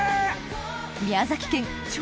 宮崎県超